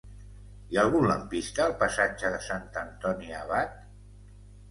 Hi ha algun lampista al passatge de Sant Antoni Abat?